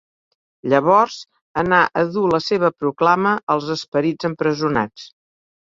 Llavors anà a dur la seva proclama als esperits empresonats.